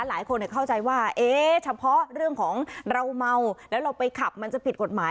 หลายคนเข้าใจว่าเอ๊ะเฉพาะเรื่องของเราเมาแล้วเราไปขับมันจะผิดกฎหมาย